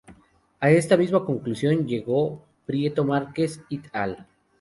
A esta misma conclusión llegó Prieto-Márquez "et al.